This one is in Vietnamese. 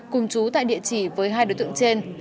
cùng chú tại địa chỉ với hai đối tượng trên